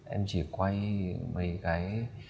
em chỉ quay mấy cái